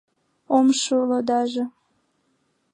Ом шӱлӧ даже